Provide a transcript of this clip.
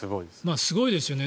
すごいですよね。